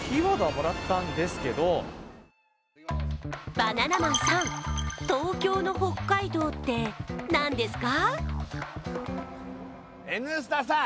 バナナマンさん、東京の北海道って何ですか？